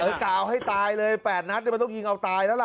เอาให้ตายแปดรัสเนี่ยเราต้องยิงเอาตายแล้วล่ะ